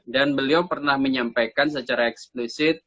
dan beliau pernah menyampaikan secara eksplisit